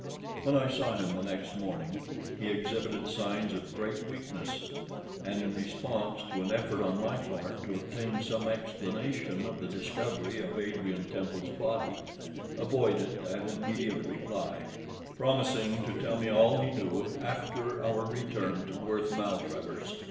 When I saw him the next morning he exhibited signs of great weakness, and in response to an effort on my part to obtain some explanation of the discovery of Adrian Temple's body, avoided an immediate reply, promising to tell me all he knew after our return to Worth Maltravers.